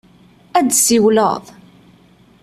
Ad d-tsiwleḍ?